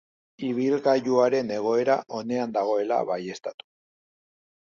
Ibilgailuaren egoera onean dagoela baieztatu.